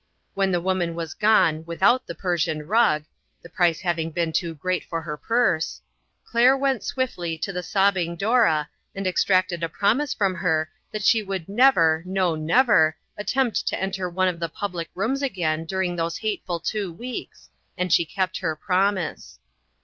When the woman was gone, without the Persian rug the price having been too great for her purse Claire OUT IN THE WORLD. 4! went swiftly to the sobbing Dora, and ex tracted a promise from her that she would never, no, never, attempt to enter one of the public rooms again during those hateful two weeks, and she kept her promise.